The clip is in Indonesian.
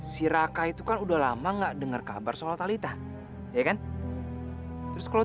si raka itu kan udah lama nggak denger kabar soal tali tak ya kan terus kalau